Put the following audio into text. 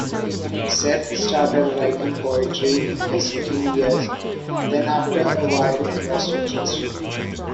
Seth started writing poetry in his teen years, then after a while lost interest.